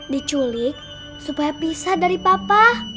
diculik supaya pisah dari papa